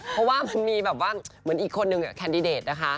เพราะว่ามันมีแบบว่าเหมือนอีกคนนึงแคนดิเดตนะคะ